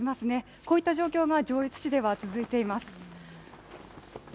こういった状況が上越市では続いています。